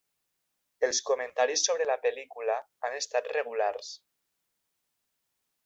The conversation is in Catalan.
Els comentaris sobre la pel·lícula han estat regulars.